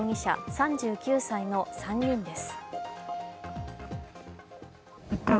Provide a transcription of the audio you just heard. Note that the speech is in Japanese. ３９歳の３人です。